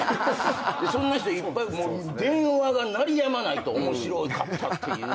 そんな人いっぱいもう電話が鳴りやまないと面白かったっていう。